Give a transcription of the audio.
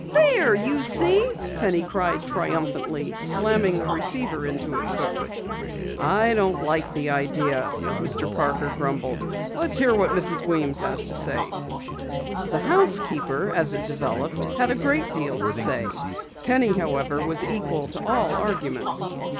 "There, you see!" Penny cried triumphantly, slamming the receiver into its hook. "I don't like the idea," Mr. Parker grumbled. "Let's hear what Mrs. Weems has to say." The housekeeper, it developed, had a great deal to say. Penny, however, was equal to all arguments.